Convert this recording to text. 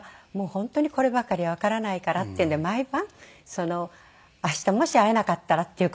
本当にこればかりはわからないからっていうんで毎晩明日もし会えなかったらっていう事でね